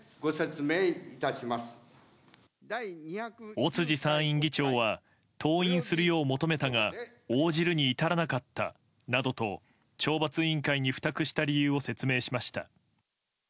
尾辻参院議長は登院するよう求めたが応じるに至らなかったなどと懲罰委員会に付託した理由を説明しました。